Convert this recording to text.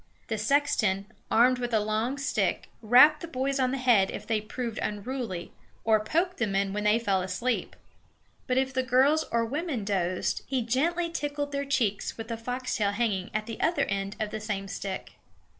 The sexton, armed with a long stick, rapped the boys on the head if they proved unruly, or poked the men when they fell asleep. But if the girls or women dozed, he gently tickled their cheeks with the foxtail hanging at the other end of the same stick.